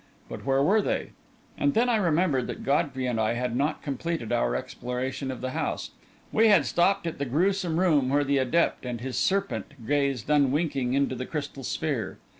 But where were they? And then I remembered that Godfrey and I had not completed our exploration of the house. We had stopped at the gruesome room where the adept and his serpent gazed unwinking into the crystal sphere.